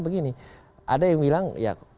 begini ada yang bilang ya